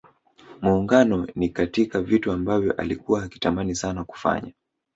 Muungano ni katika vitu ambavyo alikua akitamani sana kufanya